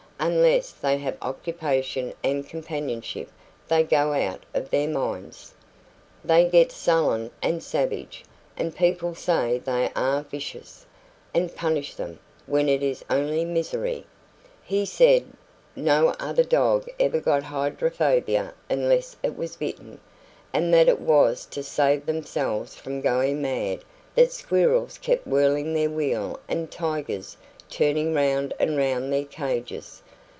Unless they have occupation and companionship they go out of their minds. They get sullen and savage, and people say they are vicious, and punish them, when it is only misery. He said no happy dog ever got hydrophobia unless it was bitten; and that it was to save themselves from going mad that squirrels kept whirling their wheel and tigers running round and round their cages.